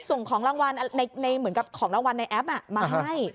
ส่งของรางวัลเหมือนกับของรางวัลในแอปมาให้